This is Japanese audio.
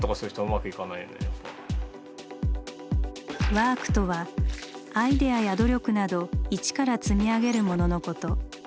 「ワーク」とはアイデアや努力など１から積み上げるもののこと。